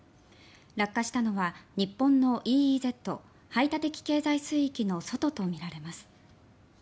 落下したのは日本のＥＥＺ・排他的経済水域の外とみられます。